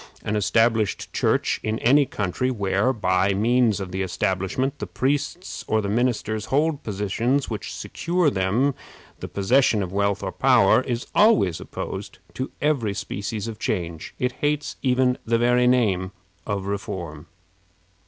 An established Church in any country, where, by means of the establishment, the priests or the ministers hold positions which secure to them the possession of wealth or power, is always opposed to every species of change. It hates even the very name of reform.